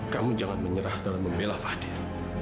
kamu jangan menyerah dalam membela fadil